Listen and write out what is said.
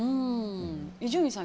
伊集院さん